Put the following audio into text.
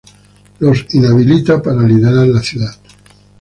los inhabilita para liderar la ciudad